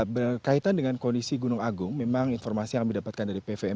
berkaitan dengan kondisi gunung agung memang informasi yang kami dapatkan dari pvm